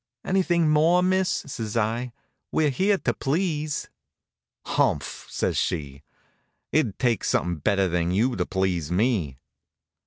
"Anything more, miss?" says I. "We're here to please." "Humph!" says she. "It'd take somethin' better than you to please me."